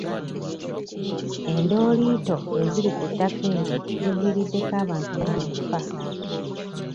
Endooliito eziri ku ttaka eryo ziviiriddeko abantu bangi okufa.